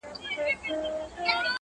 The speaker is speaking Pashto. هيواد مي هم په ياد دى ـ